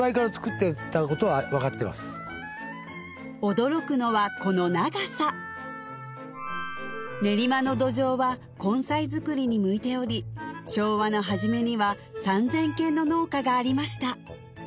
驚くのはこの長さ練馬の土壌は根菜作りに向いており昭和の初めには３０００軒の農家がありました